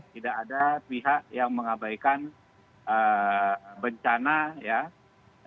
tidak ada pihak yang mengabaikan bencana ya